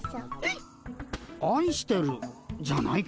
あいしてるじゃないけど。